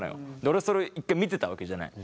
俺はそれを一回見てたわけじゃない？